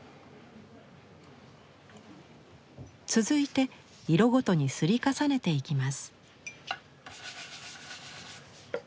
続いて色ごとに摺り重ねていきます。